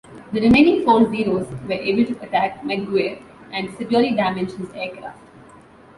The remaining four Zeros were able to attack McGuire and severely damage his aircraft.